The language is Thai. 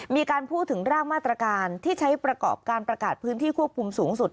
มีการพูดถึงร่างมาตรการที่ใช้ประกอบการประกาศพื้นที่ควบคุมสูงสุด